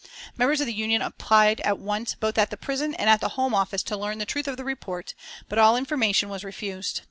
Members of the Union applied at once both at the prison and at the Home Office to learn the truth of the report, but all information was refused.